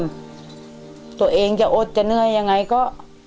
ก็อยากให้ลูกอิ่มตัวเองจะอดจะเหนื่อยยังไงก็